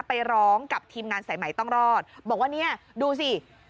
ไปร้องกับทีมงานสายใหม่ต้องรอดบอกว่าเนี่ยดูสิ